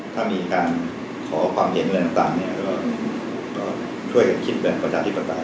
ถ้ามีการขอความเห็นอะไรต่างเนี่ยก็ช่วยกันคิดแบบประชาธิปไตย